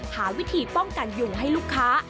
หาวิธีป้องกันยุงให้ลูกค้า